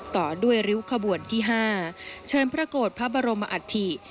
ต่อด้วยริ้วขบวนที่๕เชิญพระโกรธพระบรมอัฐิ